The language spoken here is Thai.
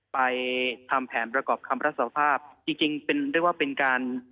ไปทำแผนประกอบคำรับสารภาพจริงจริงเป็นเรียกว่าเป็นการ